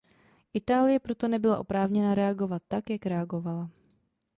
Itálie proto nebyla oprávněna reagovat tak, jak reagovala.